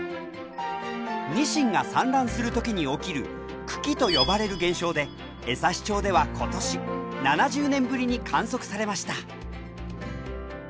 ニシンが産卵する時に起きる群来と呼ばれる現象で枝幸町では今年７０年ぶりに観測されました。